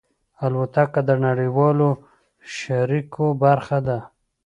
الوتکه د نړیوالو اړیکو برخه ده.